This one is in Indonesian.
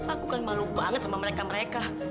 aku kan malu banget sama mereka mereka